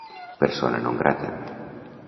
Persona non grata.